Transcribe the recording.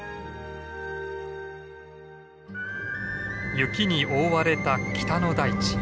雪に覆われた北の大地。